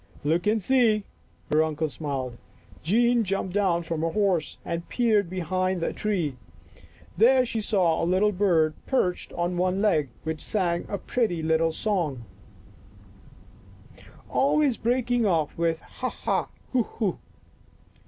" Look and see," her uncle smiled. Jean jumped down from her horse and peered behind the tree. There she saw a little bird perched on one leg which sang a pretty little song, al 66 Our Little Australian Cousin ways breaking off with "H ah ha!